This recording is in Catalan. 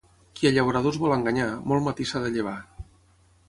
Qui a llauradors vol enganyar, molt matí s'ha de llevar.